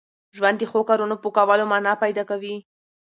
ژوند د ښو کارونو په کولو مانا پیدا کوي.